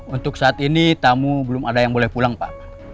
untuk saat ini tamu belum ada yang boleh pulang pak